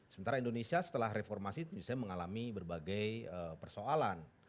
sementara indonesia setelah reformasi biasanya mengalami berbagai persoalan